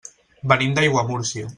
Venim d'Aiguamúrcia.